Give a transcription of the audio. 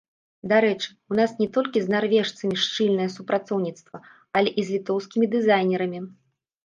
Дарэчы, у нас не толькі з нарвежцамі шчыльнае супрацоўніцтва, але і з літоўскімі дызайнерамі.